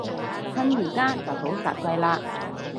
趁而家就好煞掣嘞